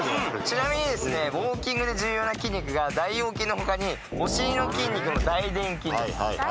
ちなみにウオーキングで重要な筋肉が大腰筋の他にお尻の筋肉の大臀筋です。